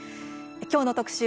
きょうの特集